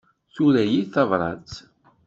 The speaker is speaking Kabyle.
Tura-yi-d tabrat.